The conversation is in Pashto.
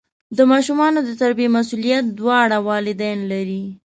د ماشومانو د تربیې مسؤلیت دواړه والدین لري.